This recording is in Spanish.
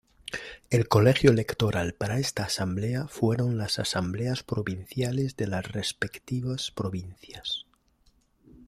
El Colegio Electoral para esta Asamblea fueron las Asambleas Provinciales de las respectivas Provincias.